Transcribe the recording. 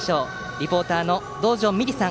リポーターの道上美璃さん